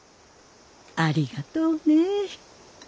ありがとうねえ。